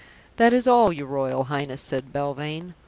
"That is all, your Royal Highness," said Belvane.